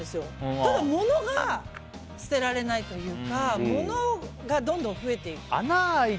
ただ、物が捨てられないというか物がどんどん増えていく。